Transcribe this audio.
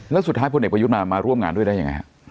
แล้วสุดท้ายพลเอกประยุทธ์มาร่วมงานด้วยได้ยังไงฮะ